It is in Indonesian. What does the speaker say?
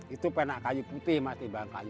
itu penak kayu putih